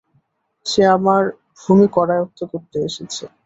সে আমাদের ভূমি করায়ত্ত করতে এসেছে।